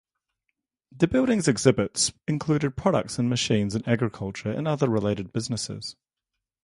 The building's exhibits included products and machines in agriculture and other related businesses.